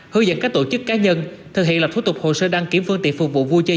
hướng dẫn các tổ chức cá nhân thực hiện lập thủ tục hồ sơ đăng kiểm phương tiện phục vụ vui chơi